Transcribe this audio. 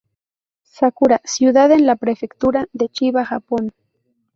Sakura, ciudad en la prefectura de Chiba, Japón.